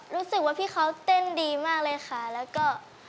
รู้สึกว่าพี่เขาเต้นดีมากเลยค่ะแล้วก็